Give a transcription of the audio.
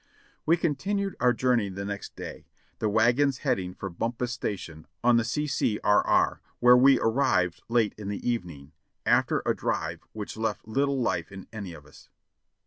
We continued our journey the next day, the wagons heading for Bumpas Station on the C. C. R. R., where we arrived late in the evening, after a drive which left little life in any of us.